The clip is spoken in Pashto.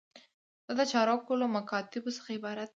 دا د چارواکو له مکاتیبو څخه عبارت دی.